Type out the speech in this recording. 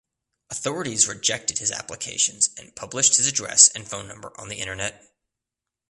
Authorities rejected his applications and published his address and phone number on the internet.